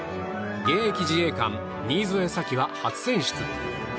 現役自衛官、新添左季は初選出。